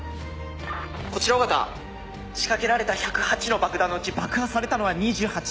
こちら緒方仕掛けられた１０８の爆弾のうち爆破されたのは２８。